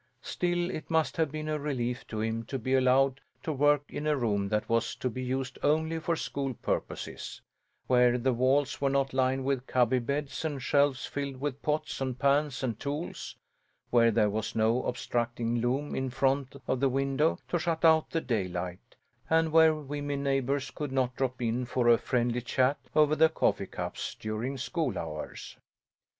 Still it must have been a relief to him to be allowed to work in a room that was to be used only for school purposes; where the walls were not lined with cubby beds and shelves filled with pots and pans and tools; where there was no obstructing loom in front of the window to shut out the daylight, and where women neighbours could not drop in for a friendly chat over the coffee cups during school hours.